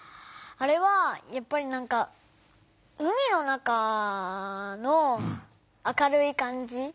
あれはやっぱりなんか海の中の明るい感じ？